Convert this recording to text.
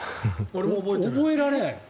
覚えられない。